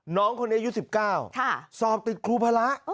น้องคนนี้อายุ๑๙สอบติดครูพระ